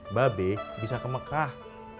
mbak be bisa ke mekah